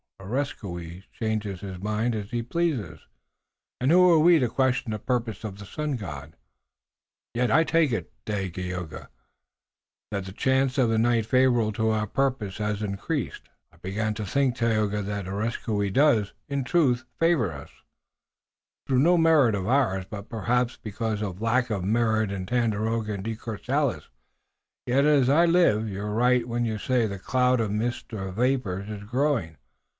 Areskoui changes his mind as he pleases. Who are we to question the purposes of the Sun God? Yet I take it, Dagaeoga, that the chance of a night favorable to our purpose has increased." "I begin to think, Tayoga, that Areskoui does, in truth, favor us, through no merit of ours, but perhaps because of a lack of merit in Tandakora and De Courcelles. Yet, as I live, you're right when you say the cloud of mist or vapor is growing.